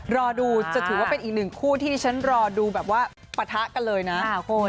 รอดูจะถือว่าเป็นอีกหนึ่งคู่ที่ที่ฉันรอดูแบบว่าปะทะกันเลยนะคุณ